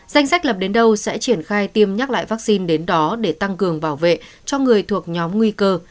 danh sách lập đến đâu sẽ triển khai tiêm nhắc lại vaccine đến đó để tăng cường bảo vệ cho người thuộc nhóm nguy cơ